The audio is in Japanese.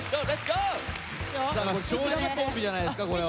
長身コンビじゃないですかこれは。